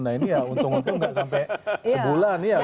nah ini ya untung untung nggak sampai sebulan ya